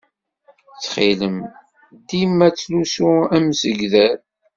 Ttxil-m, dima ttlusu amsegdal.